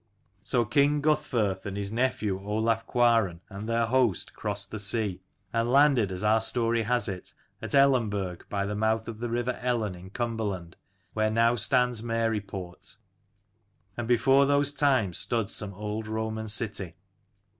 So king Guthferth and his nephew Olaf Cuaran and their host crossed the sea, and landed, as our story has it, at Ellenburg by the mouth of the river Ellen in Cumberland, where now stands Maryport, and before those times stood some old Roman city.